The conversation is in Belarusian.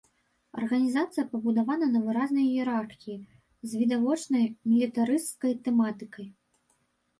Арганізацыя пабудавана на выразнай іерархіі, з відавочнай мілітарысцкай тэматыкай.